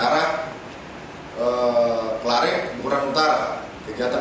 kecerdasan dan jalan perubahan perusahaan yang berujar dengan bantuan kesejahteraan kesejahteran